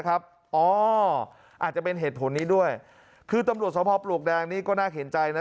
อาจจะเป็นเหตุผลนี้ด้วยคือตำรวจสมภาพปลวกแดงนี่ก็น่าเห็นใจนะ